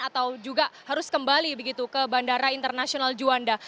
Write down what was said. atau juga harus kembali begitu ke bandara internasional juanda